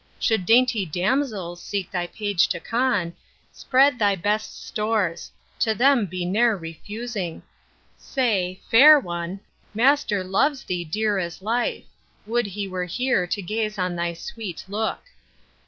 Should dainty damsels seek thy page to con, Spread thy best stores: to them be ne'er refusing: Say, fair one, master loves thee dear as life; Would he were here to gaze on thy sweet look.